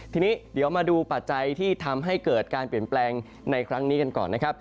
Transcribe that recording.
ทีนี้เดี๋ยวมาดูปัจจัยที่ทำให้เกิดการเปลี่ยนแปลงในครั้งนี้กันก่อนนะครับ